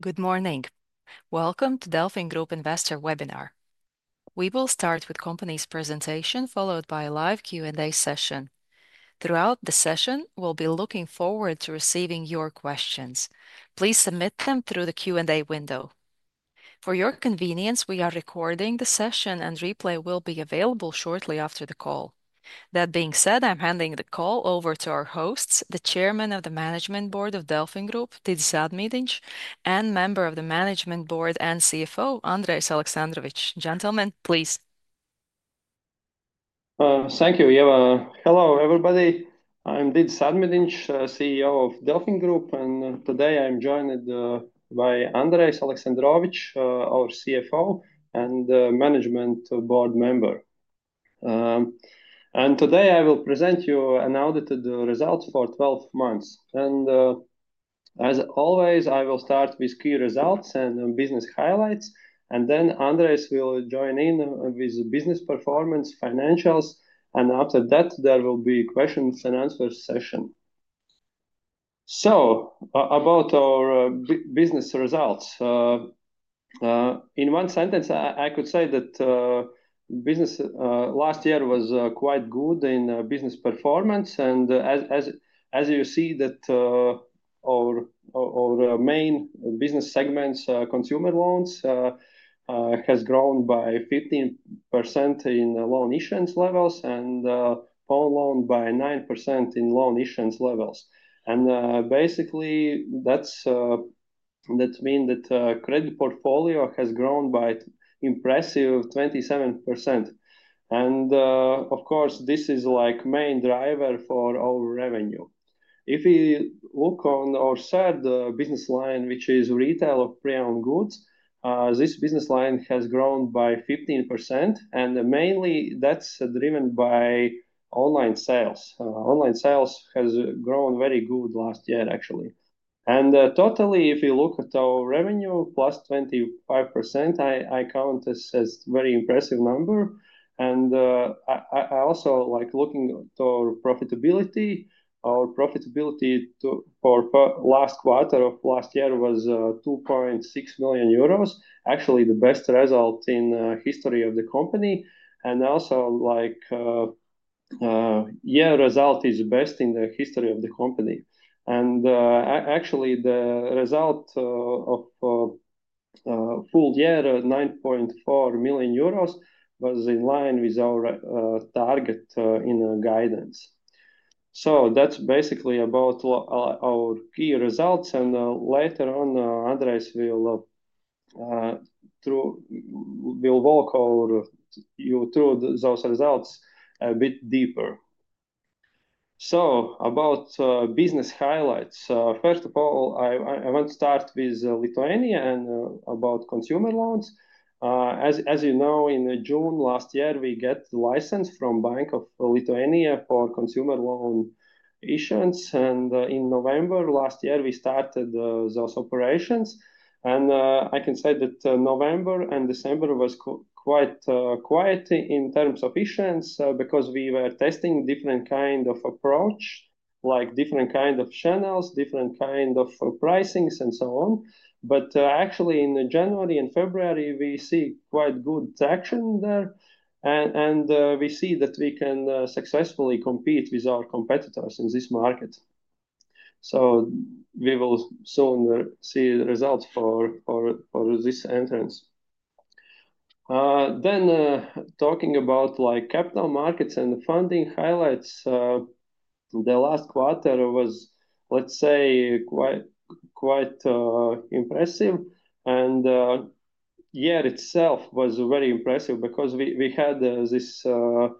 Good morning. Welcome to DelfinGroup Investor Webinar. We will start with the company's presentation, followed by a live Q&A session. Throughout the session, we'll be looking forward to receiving your questions. Please submit them through the Q&A window. For your convenience, we are recording the session, and replay will be available shortly after the call. That being said, I'm handing the call over to our hosts, the Chairman of the Management Board of DelfinGroup, Didzis Ādmīdiņš, and Member of the Management Board and CFO, Andrejs Aleksandrovičs. Gentlemen, please. Thank you, Ieva. Hello, everybody. I'm Didzis Ādmīdiņš, CEO of DelfinGroup, and today I'm joined by Andrejs Aleksandrovič, our CFO and Management Board member. Today I will present you an audited result for 12 months. As always, I will start with key results and business highlights, and then Andrejs will join in with business performance, financials, and after that, there will be a questions and answers session. About our business results. In one sentence, I could say that last year was quite good in business performance, and as you see, our main business segment, consumer loans, has grown by 15% in loan issuance levels and pawn loans by 9% in loan issuance levels. Basically, that means that the credit portfolio has grown by an impressive 27%. Of course, this is the main driver for our revenue. If you look on our third business line, which is retail of pre-owned goods, this business line has grown by 15%, and mainly that's driven by online sales. Online sales have grown very good last year, actually. If you look at our revenue, +25%, I count this as a very impressive number. I also like looking at our profitability. Our profitability for the last quarter of last year was 2.6 million euros, actually the best result in the history of the company. Also, year-to-year result is the best in the history of the company. Actually, the result of full year, 9.4 million euros, was in line with our target in the guidance. That's basically about our key results, and later on, Andrejs will walk you through those results a bit deeper. About business highlights, first of all, I want to start with Lithuania and about consumer loans. As you know, in June last year, we got the license from the Bank of Lithuania for consumer loan issuance, and in November last year, we started those operations. I can say that November and December were quite quiet in terms of issuance because we were testing different kinds of approaches, like different kinds of channels, different kinds of pricing, and so on. Actually, in January and February, we see quite good traction there, and we see that we can successfully compete with our competitors in this market. We will soon see results for this entrance. Talking about capital markets and funding highlights, the last quarter was, let's say, quite impressive, and the year itself was very impressive because we had this public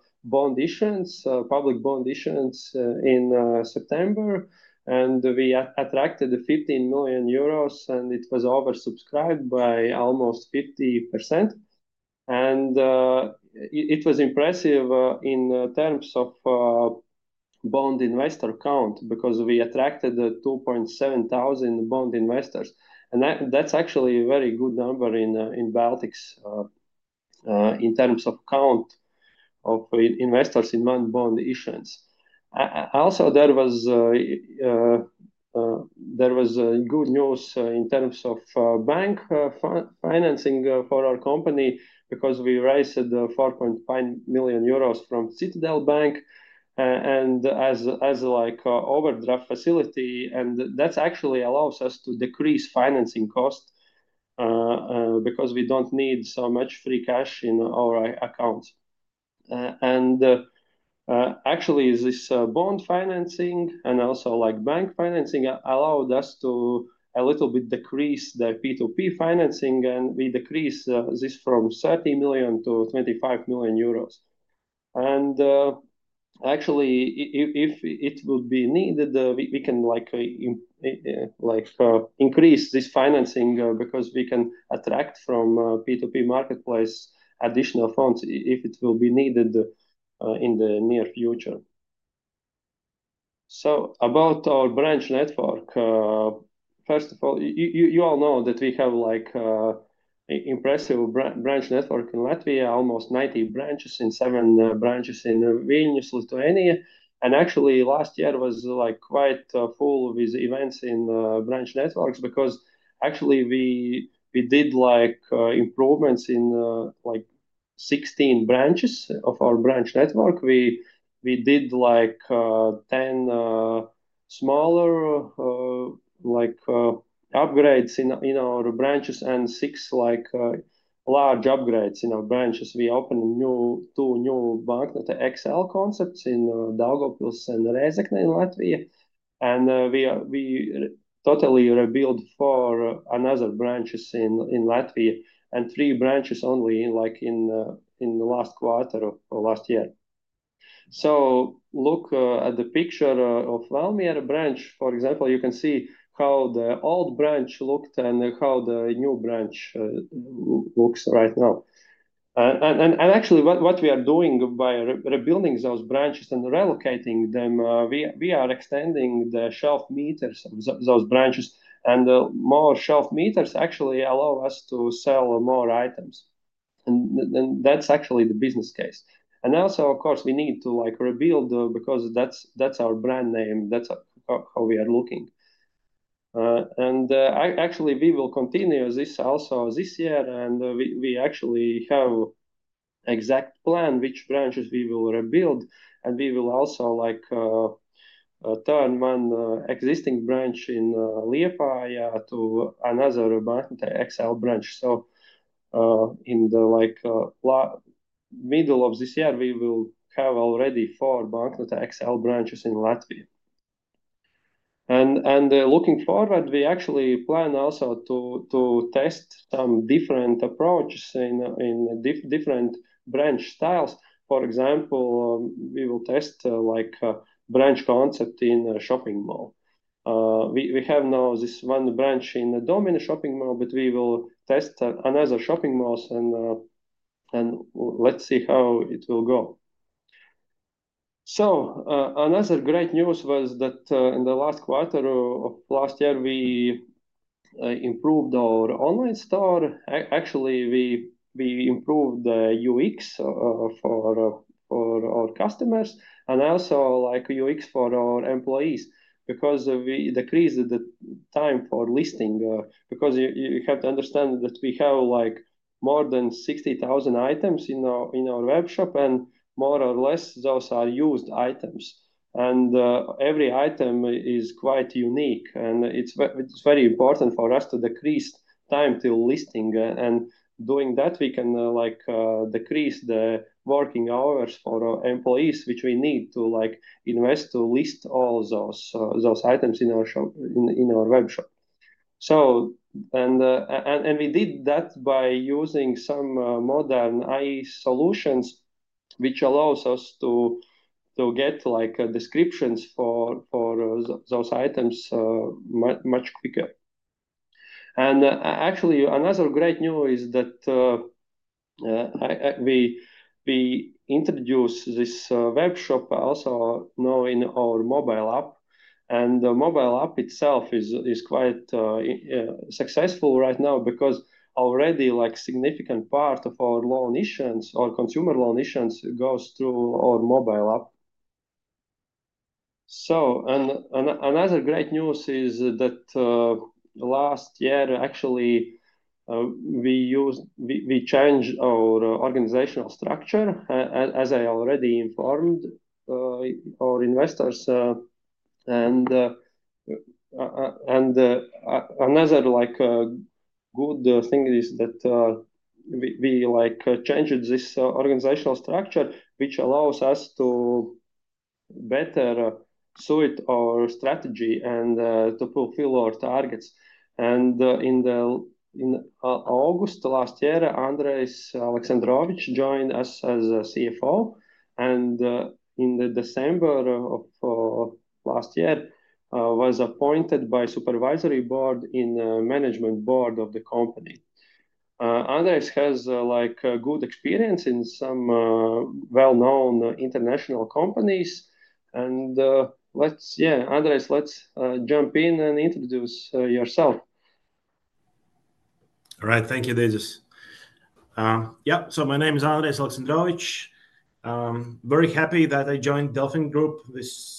bond issuance in September, and we attracted 15 million euros, and it was oversubscribed by almost 50%. It was impressive in terms of bond investor count because we attracted 2,700 bond investors. That's actually a very good number in the Baltics in terms of count of investors in bond issuance. Also, there was good news in terms of bank financing for our company because we raised 4.5 million euros from Citadele Bank as an overdraft facility, and that actually allows us to decrease financing costs because we don't need so much free cash in our accounts. Actually, this bond financing and also bank financing allowed us to a little bit decrease the P2P financing, and we decreased this from 30 million to 25 million euros. Actually, if it would be needed, we can increase this financing because we can attract from the P2P marketplace additional funds if it will be needed in the near future. About our branch network, first of all, you all know that we have an impressive branch network in Latvia, almost 90 branches and 7 branches in Vilnius, Lithuania. Actually, last year was quite full with events in branch networks because actually we did improvements in 16 branches of our branch network. We did 10 smaller upgrades in our branches and six large upgrades in our branches. We opened two new Banknote XL Concepts in Daugavpils and Rēzekne in Latvia, and we totally rebuilt four other branches in Latvia and three branches only in the last quarter of last year. Look at the picture of the Valmiera branch, for example, you can see how the old branch looked and how the new branch looks right now. Actually, what we are doing by rebuilding those branches and relocating them, we are extending the shelf meters of those branches, and more shelf meters actually allow us to sell more items. That is actually the business case. Also, of course, we need to rebuild because that is our brand name. That is how we are looking. Actually, we will continue this also this year, and we actually have an exact plan which branches we will rebuild, and we will also turn one existing branch in Liepāja to another XL branch. In the middle of this year, we will have already four Banknote XL branches in Latvia. Looking forward, we actually plan also to test some different approaches in different branch styles. For example, we will test a branch concept in a shopping mall. We have now this one branch in the Domina shopping mall, but we will test another shopping mall, and let's see how it will go. Another great news was that in the last quarter of last year, we improved our online store. Actually, we improved the UX for our customers and also UX for our employees because we decreased the time for listing. Because you have to understand that we have more than 60,000 items in our webshop, and more or less, those are used items. Every item is quite unique, and it's very important for us to decrease time to listing. Doing that, we can decrease the working hours for our employees, which we need to invest to list all those items in our webshop. We did that by using some modern AI solutions, which allows us to get descriptions for those items much quicker. Actually, another great news is that we introduced this webshop also now in our mobile app. The mobile app itself is quite successful right now because already a significant part of our loan issuance, our consumer loan issuance, goes through our mobile app. Another great news is that last year, actually, we changed our organizational structure, as I already informed our investors. Another good thing is that we changed this organizational structure, which allows us to better suit our strategy and to fulfill our targets. In August last year, Andrejs Aleksandrovičs joined us as CFO, and in December of last year, he was appointed by the Supervisory Board in the Management Board of the company. Andrejs has good experience in some well-known international companies. Yeah, Andrejs, let's jump in and introduce yourself. All right, thank you, Didzis. Yeah, so my name is Andrejs Aleksandrovič. I'm very happy that I joined DelfinGroup, this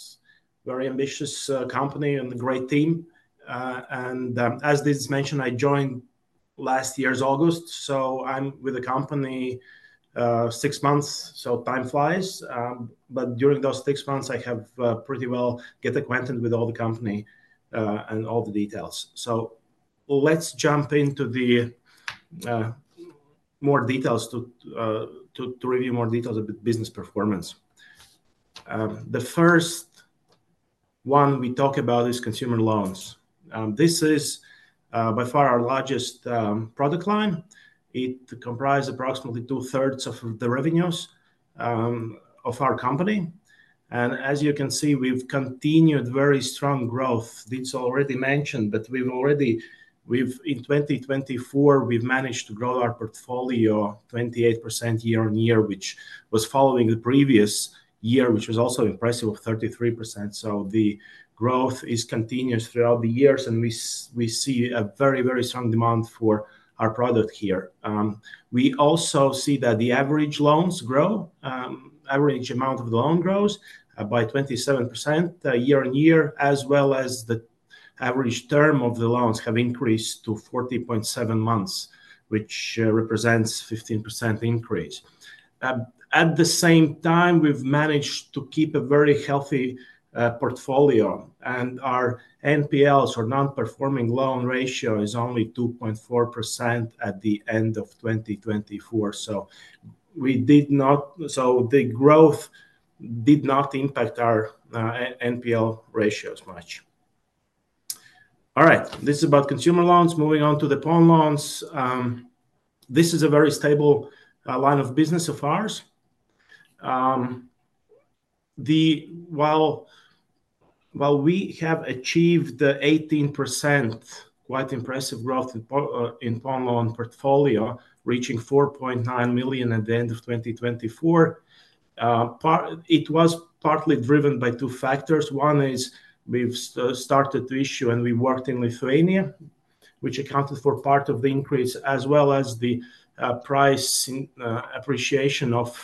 very ambitious company and a great team. As Didzis mentioned, I joined last year's August, so I'm with the company six months, so time flies. During those six months, I have pretty well got acquainted with all the company and all the details. Let's jump into more details to review more details of the business performance. The first one we talk about is consumer loans. This is by far our largest product line. It comprises approximately 2/3 of the revenues of our company. As you can see, we've continued very strong growth. Didzis already mentioned, but in 2024, we've managed to grow our portfolio 28% year-on-year, which was following the previous year, which was also impressive of 33%. The growth is continuous throughout the years, and we see a very, very strong demand for our product here. We also see that the average loans grow, the average amount of the loan grows by 27% year-on-year, as well as the average term of the loans have increased to 40.7 months, which represents a 15% increase. At the same time, we've managed to keep a very healthy portfolio, and our NPLs, or non-performing loan ratio, is only 2.4% at the end of 2024. The growth did not impact our NPL ratios much. All right, this is about consumer loans. Moving on to the phone loans, this is a very stable line of business of ours. While we have achieved 18%, quite impressive growth in phone loan portfolio, reaching 4.9 million at the end of 2024, it was partly driven by two factors. One is we've started to issue, and we worked in Lithuania, which accounted for part of the increase, as well as the price appreciation of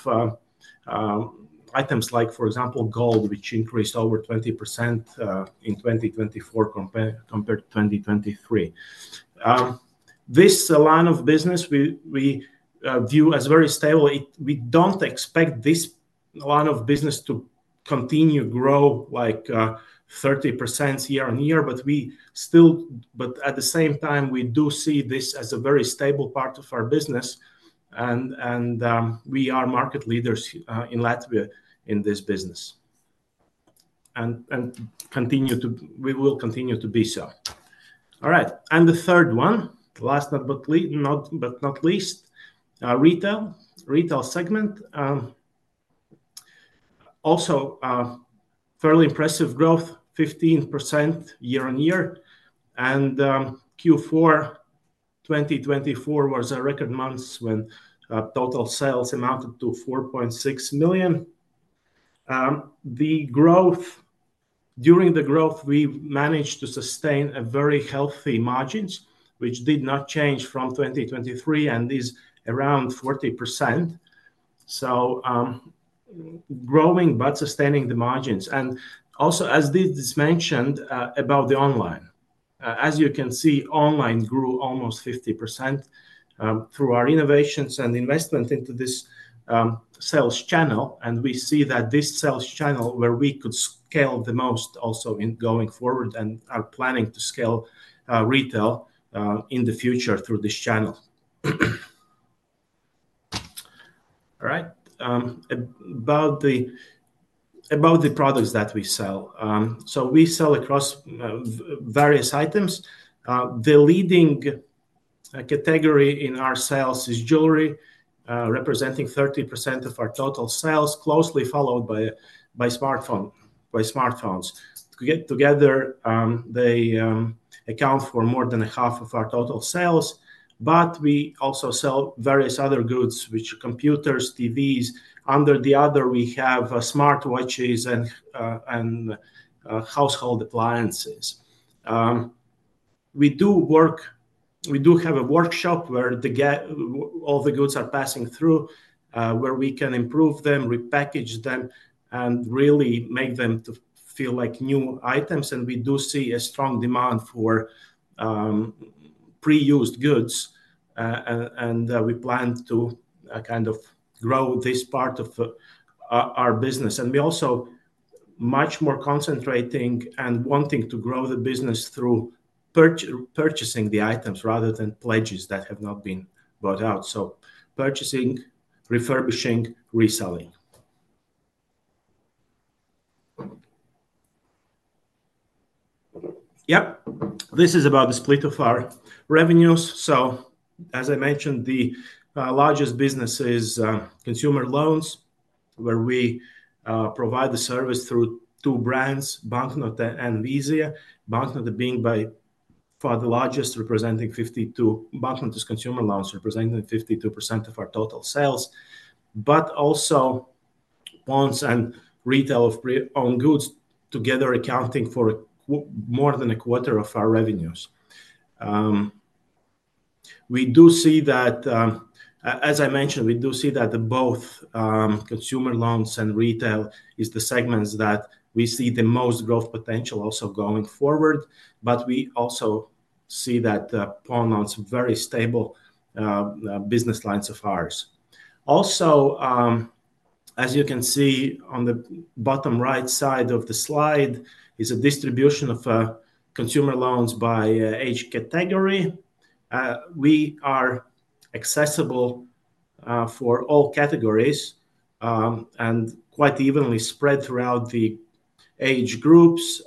items like, for example, gold, which increased over 20% in 2024 compared to 2023. This line of business we view as very stable. We do not expect this line of business to continue to grow 30% year-on-year, but at the same time, we do see this as a very stable part of our business, and we are market leaders in Latvia in this business and will continue to be so. All right, and the third one, last but not least, retail, retail segment. Also fairly impressive growth, 15% year-on-year. Q4 2024 was a record month when total sales amounted to 4.6 million. Big growth. During the growth, we managed to sustain very healthy margins, which did not change from 2023, and it's around 40%. Growing but sustaining the margins. Also, as Didzis mentioned about the online, as you can see, online grew almost 50% through our innovations and investment into this sales channel. We see that this sales channel is where we could scale the most also going forward and are planning to scale retail in the future through this channel. All right, about the products that we sell. We sell across various items. The leading category in our sales is jewelry, representing 30% of our total sales, closely followed by smartphones. Together, they account for more than half of our total sales, but we also sell various other goods, which are computers, TVs. Under the other, we have smartwatches and household appliances. We do have a workshop where all the goods are passing through, where we can improve them, repackage them, and really make them feel like new items. We do see a strong demand for pre-owned goods, and we plan to kind of grow this part of our business. We are also much more concentrating and wanting to grow the business through purchasing the items rather than pledges that have not been bought out. Purchasing, refurbishing, reselling. This is about the split of our revenues. As I mentioned, the largest business is consumer loans, where we provide the service through two brands, Banknote and Vizia. Banknote being by far the largest, representing 52%. Banknote is consumer loans, representing 52% of our total sales, but also phones and retail of owned goods together accounting for more than a quarter of our revenues. We do see that, as I mentioned, we do see that both consumer loans and retail are the segments that we see the most growth potential also going forward, but we also see that phone loans are very stable business lines of ours. Also, as you can see on the bottom right side of the slide, is a distribution of consumer loans by age category. We are accessible for all categories and quite evenly spread throughout the age groups.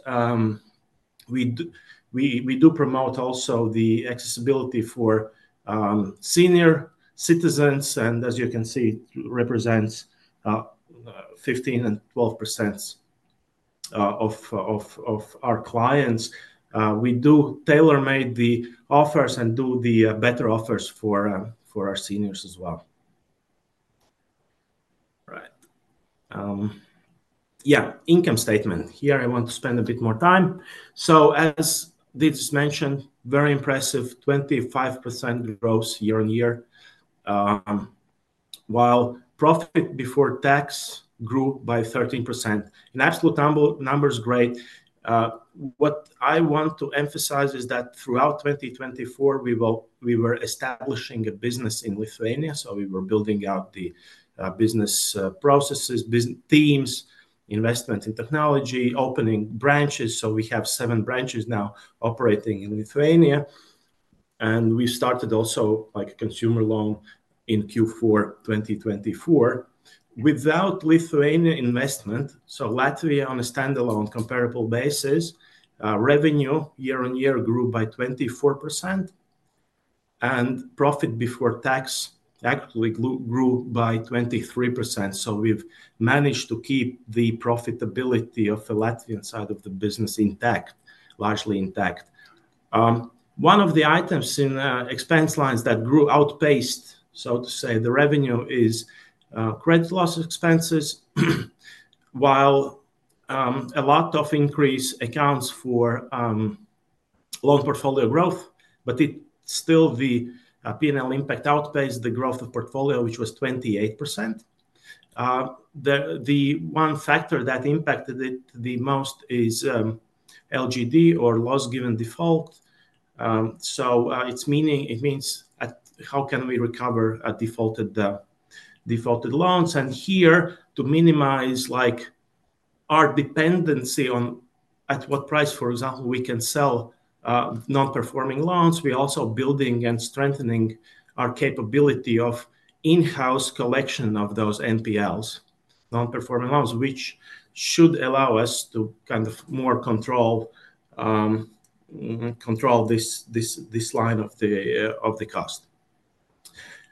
We do promote also the accessibility for senior citizens, and as you can see, it represents 15% and 12% of our clients. We do tailor-make the offers and do the better offers for our seniors as well. All right, yeah, income statement. Here, I want to spend a bit more time. As Didzis mentioned, very impressive 25% growth year-on-year, while profit before tax grew by 13%. In absolute numbers, great. What I want to emphasize is that throughout 2024, we were establishing a business in Lithuania, so we were building out the business processes, teams, investment in technology, opening branches. We have seven branches now operating in Lithuania, and we've started also consumer loan in Q4 2024. Without Lithuania investment, so Latvia on a standalone comparable basis, revenue year on year grew by 24%, and profit before tax actually grew by 23%. We've managed to keep the profitability of the Latvian side of the business largely intact. One of the items in expense lines that grew outpaced, so to say, the revenue is credit loss expenses, while a lot of increase accounts for loan portfolio growth, but still the P&L impact outpaced the growth of portfolio, which was 28%. The one factor that impacted it the most is LGD or loss given default. It means how can we recover defaulted loans. Here, to minimize our dependency on at what price, for example, we can sell non-performing loans, we are also building and strengthening our capability of in-house collection of those NPLs, non-performing loans, which should allow us to kind of more control this line of the cost.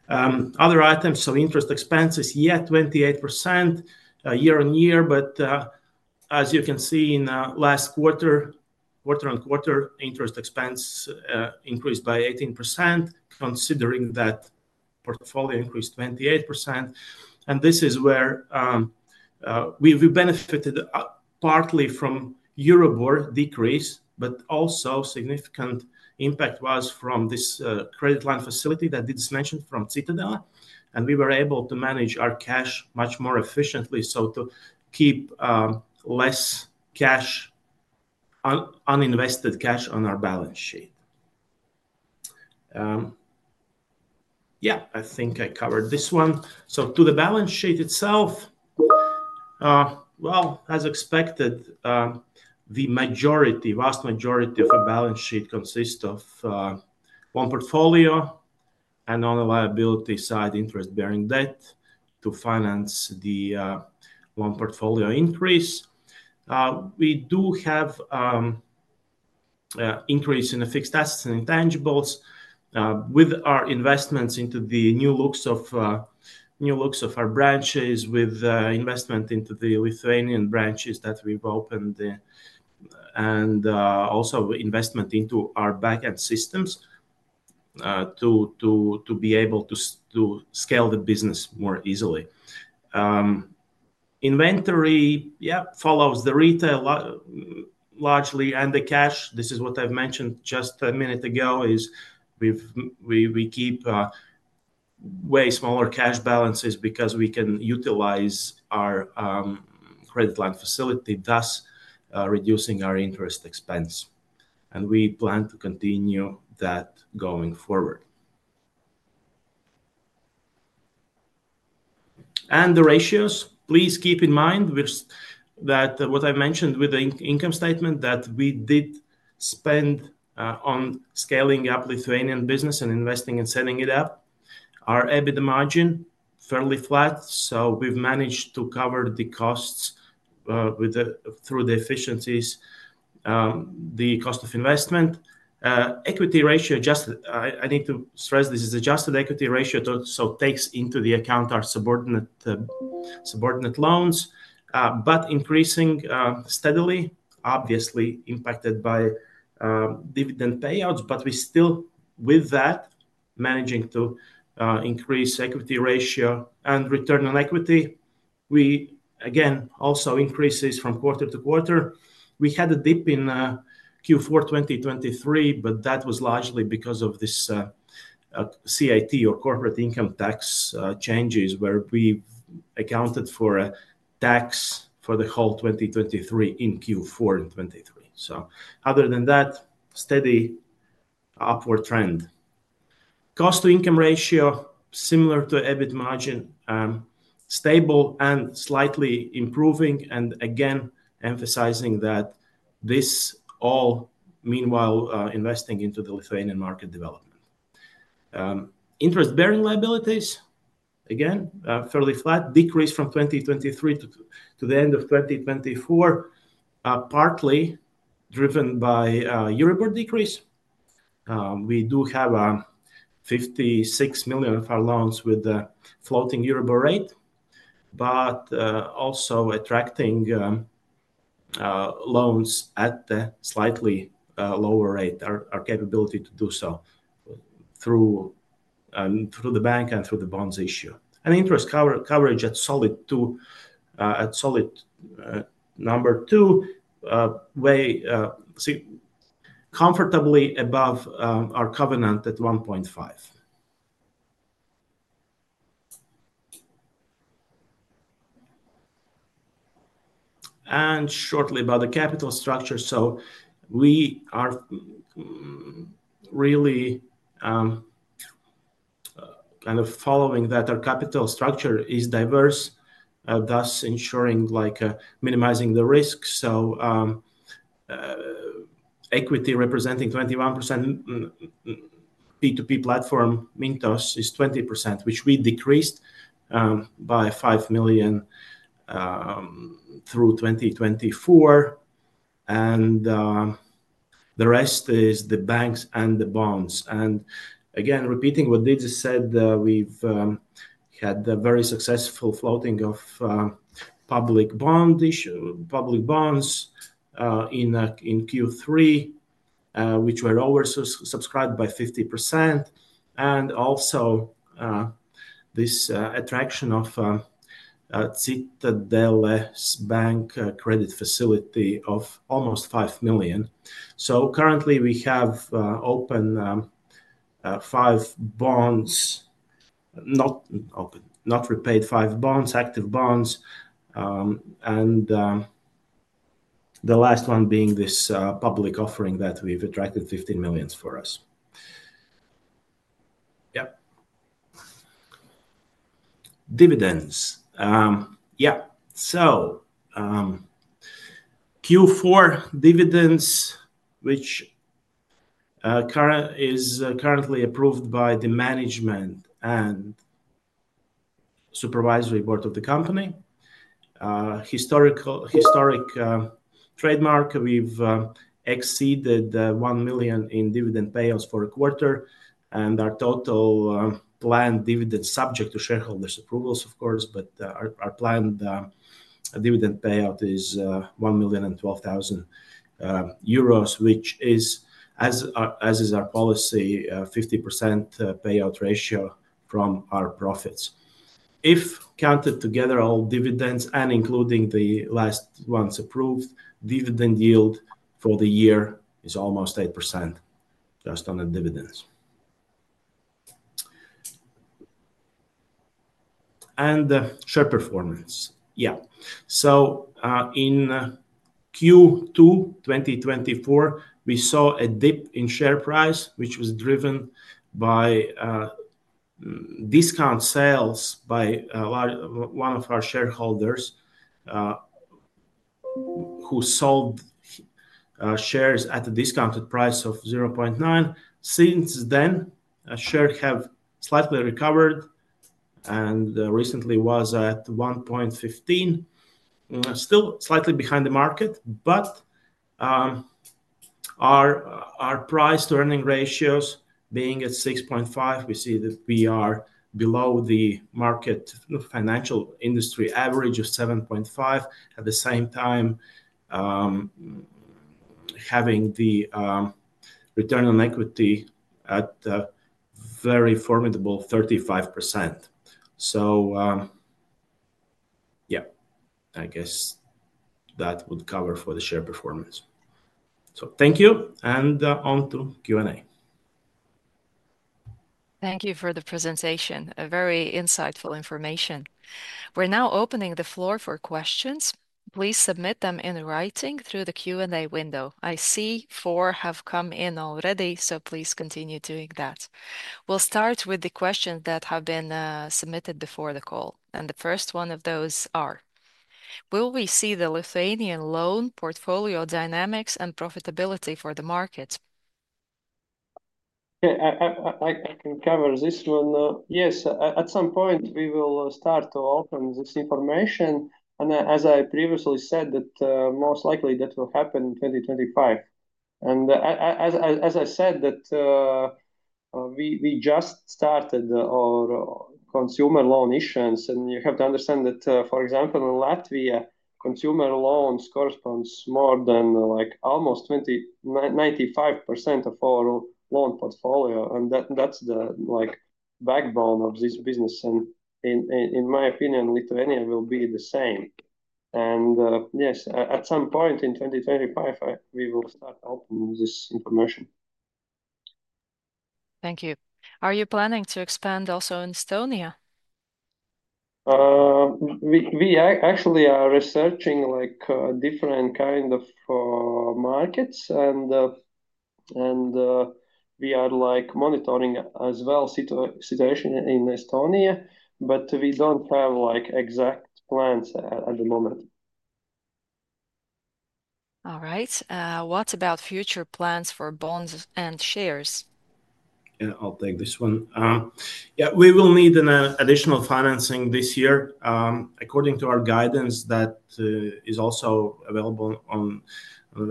Other items, interest expenses, yeah, 28% year-on-year, but as you can see in last quarter, quarter on quarter, interest expense increased by 18%, considering that portfolio increased 28%. This is where we benefited partly from Euribor decrease, but also significant impact was from this credit line facility that Didzis mentioned from Citadele Bank, and we were able to manage our cash much more efficiently, to keep less cash, uninvested cash on our balance sheet. Yeah, I think I covered this one. To the balance sheet itself, as expected, the vast majority of a balance sheet consists of one portfolio and on the liability side, interest-bearing debt to finance the one portfolio increase. We do have an increase in fixed assets and intangibles with our investments into the new looks of our branches, with investment into the Lithuanian branches that we've opened, and also investment into our backend systems to be able to scale the business more easily. Inventory, yeah, follows the retail largely, and the cash, this is what I've mentioned just a minute ago, is we keep way smaller cash balances because we can utilize our credit line facility, thus reducing our interest expense. We plan to continue that going forward. The ratios, please keep in mind that what I mentioned with the income statement, that we did spend on scaling up Lithuanian business and investing and setting it up. Our EBITDA margin is fairly flat, so we've managed to cover the costs through the efficiencies, the cost of investment. Equity ratio, just I need to stress this is adjusted equity ratio, so it takes into account our subordinate loans, but increasing steadily, obviously impacted by dividend payouts. We're still with that, managing to increase equity ratio and return on equity. Again, also increases from quarter to quarter. We had a dip in Q4 2023, but that was largely because of this CIT or corporate income tax changes, where we accounted for tax for the whole 2023 in Q4 2023. Other than that, steady upward trend. Cost-to-income ratio, similar to EBITDA margin, stable and slightly improving, and again, emphasizing that this all meanwhile investing into the Lithuanian market development. Interest-bearing liabilities, again, fairly flat, decreased from 2023 to the end of 2024, partly driven by Euribor decrease. We do have 56 million of our loans with a floating Euribor rate, but also attracting loans at a slightly lower rate, our capability to do so through the bank and through the bonds issue. Interest coverage at solid number two, comfortably above our covenant at 1.5. Shortly about the capital structure. We are really kind of following that our capital structure is diverse, thus ensuring minimizing the risk. Equity representing 21%, P2P platform, Mintos is 20%, which we decreased by 5 million through 2024. The rest is the banks and the bonds. Again, repeating what Didzis said, we have had very successful floating of public bonds in Q3, which were oversubscribed by 50%. Also, this attraction of Citadele Bank credit facility of almost EUR 5 million. Currently, we have open five bonds, not repaid five bonds, active bonds, and the last one being this public offering that we have attracted 15 million for us. Dividends. Q4 dividends, which is currently approved by the management and supervisory board of the company. Historic trademark, we have exceeded 1 million in dividend payouts for a quarter, and our total planned dividend subject to shareholders' approvals, of course, but our planned dividend payout is 1.012 million which is, as is our policy, 50% payout ratio from our profits. If counted together all dividends, and including the last once approved, dividend yield for the year is almost 8% just on the dividends. And share performance. In Q2 2024, we saw a dip in share price, which was driven by discount sales by one of our shareholders who sold shares at a discounted price of 0.9. Since then, shares have slightly recovered and recently was at 1.15, still slightly behind the market, but our price-to-earning ratios being at 6.5, we see that we are below the market financial industry average of 7.5, at the same time having the return on equity at a very formidable 35%. I guess that would cover for the share performance. Thank you, and on to Q&A. Thank you for the presentation. Very insightful information. We're now opening the floor for questions. Please submit them in writing through the Q&A window. I see four have come in already, so please continue doing that. We'll start with the questions that have been submitted before the call. The first one of those is, will we see the Lithuanian loan portfolio dynamics and profitability for the market? Yeah, I can cover this one. Yes, at some point, we will start to open this information. As I previously said, most likely that will happen in 2025. As I said, we just started our consumer loan issuance, and you have to understand that, for example, in Latvia, consumer loans correspond to almost 95% of our loan portfolio. That is the backbone of this business. In my opinion, Lithuania will be the same. Yes, at some point in 2025, we will start opening this information. Thank you. Are you planning to expand also in Estonia? We actually are researching different kinds of markets, and we are monitoring as well the situation in Estonia, but we do not have exact plans at the moment. All right. What about future plans for bonds and shares? Yeah, I'll take this one. Yeah, we will need additional financing this year. According to our guidance that is also available on our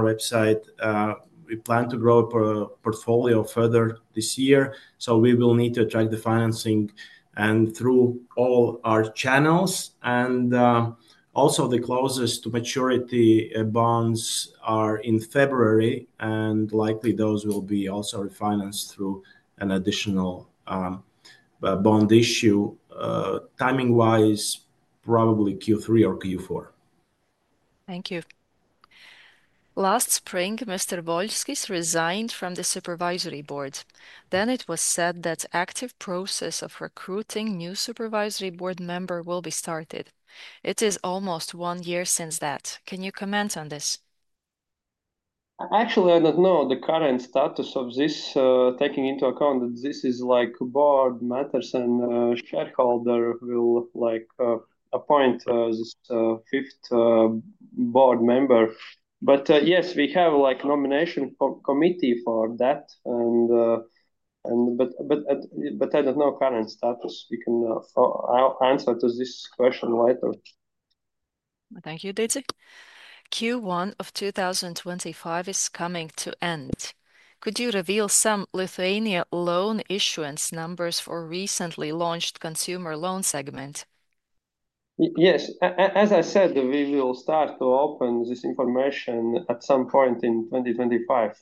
website, we plan to grow a portfolio further this year. We will need to attract the financing through all our channels. Also, the closest to maturity bonds are in February, and likely those will be also refinanced through an additional bond issue. Timing-wise, probably Q3 or Q4. Thank you. Last spring, Mr. Voļskis resigned from the Supervisory Board. Then it was said that active process of recruiting new Supervisory Board member will be started. It is almost one year since that. Can you comment on this? Actually, I don't know the current status of this, taking into account that this is like board matters, and shareholder will appoint this fifth board member. Yes, we have a nomination committee for that. I do not know current status. You can answer to this question later. Thank you, Didzis. Q1 of 2025 is coming to end. Could you reveal some Lithuania loan issuance numbers for recently launched consumer loan segment? Yes, as I said, we will start to open this information at some point in 2025.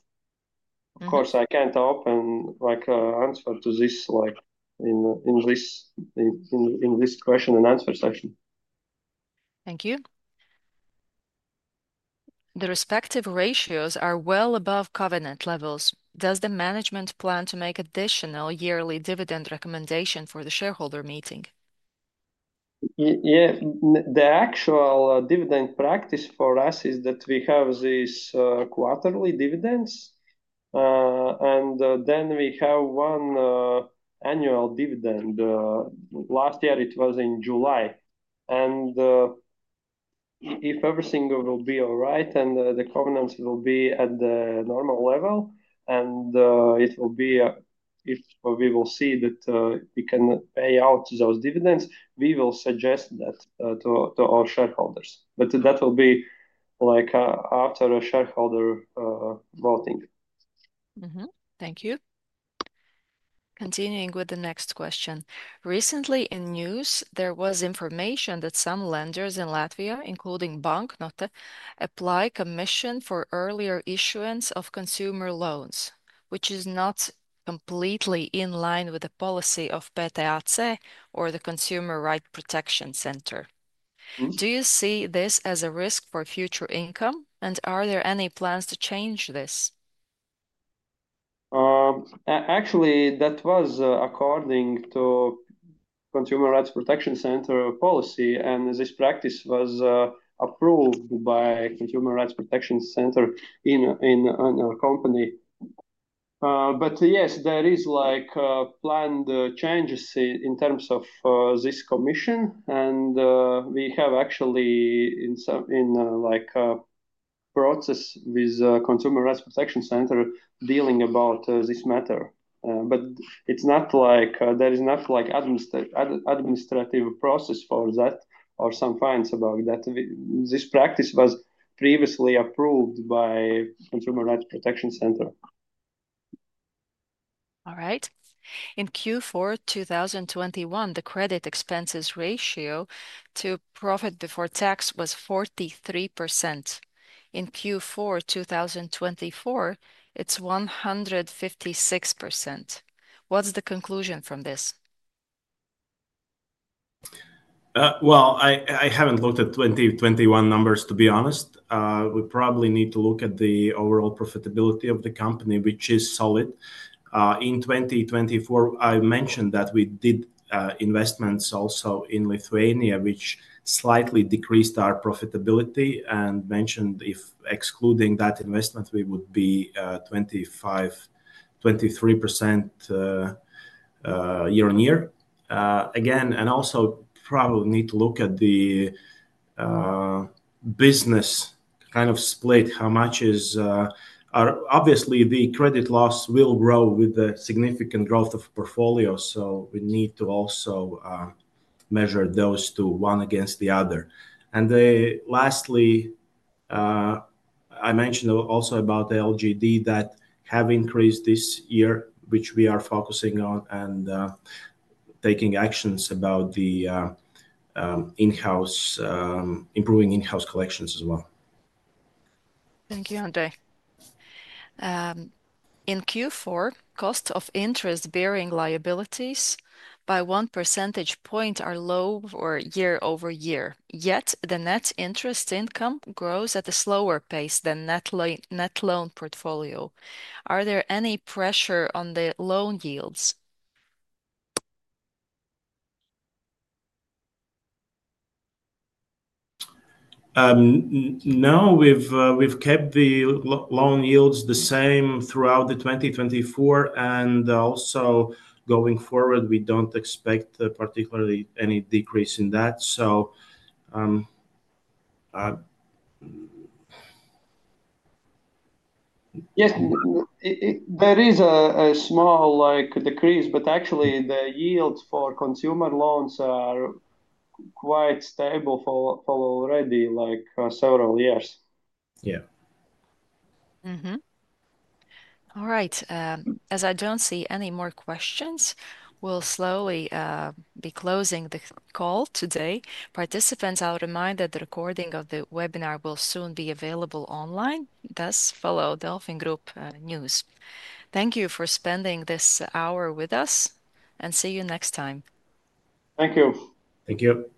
Of course, I cannot answer to this in this question and answer session. Thank you. The respective ratios are well above covenant levels. Does the management plan to make additional yearly dividend recommendation for the shareholder meeting? Yeah, the actual dividend practice for us is that we have these quarterly dividends, and then we have one annual dividend. Last year, it was in July. If everything will be all right and the covenants will be at the normal level, and it will be if we will see that we can pay out those dividends, we will suggest that to our shareholders. That will be after a shareholder voting. Thank you. Continuing with the next question. Recently in news, there was information that some lenders in Latvia, including Banknote, apply commission for earlier issuance of consumer loans, which is not completely in line with the policy of PTAC or the Consumer Rights Protection Center. Do you see this as a risk for future income, and are there any plans to change this? Actually, that was according to Consumer Rights Protection Center policy, and this practice was approved by Consumer Rights Protection Center in our company. Yes, there are planned changes in terms of this commission, and we have actually in process with Consumer Rights Protection Center dealing about this matter. There is not an administrative process for that or some fines about that. This practice was previously approved by Consumer Rights Protection Center. All right. In Q4 2021, the credit expenses ratio to profit before tax was 43%. In Q4 2024, it is 156%. What's the conclusion from this? I haven't looked at 2021 numbers, to be honest. We probably need to look at the overall profitability of the company, which is solid. In 2024, I mentioned that we did investments also in Lithuania, which slightly decreased our profitability and mentioned if excluding that investment, we would be 23% year-on-year. Again, and also probably need to look at the business kind of split, how much is obviously the credit loss will grow with the significant growth of portfolio. So we need to also measure those two, one against the other. Lastly, I mentioned also about LGD that have increased this year, which we are focusing on and taking actions about the improving in-house collections as well. Thank you, Andrejs. In Q4, cost of interest bearing liabilities by one percentage point are low year-over-year. Yet, the net interest income grows at a slower pace than net loan portfolio. Are there any pressure on the loan yields? No, we've kept the loan yields the same throughout 2024. Also going forward, we don't expect particularly any decrease in that. Yes, there is a small decrease, but actually, the yields for consumer loans are quite stable for already several years. Yeah. All right. As I do not see any more questions, we will slowly be closing the call today. Participants, I will remind that the recording of the webinar will soon be available online. Thus, follow DelfinGroup News. Thank you for spending this hour with us, and see you next time. Thank you. Thank you.